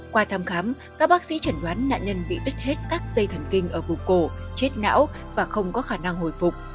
qua thăm khám các bác sĩ chẩn đoán nạn nhân bị đứt hết các dây thần kinh ở vùng cổ chết não và không có khả năng hồi phục